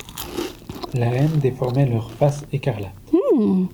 La haine déformait leurs faces écarlates.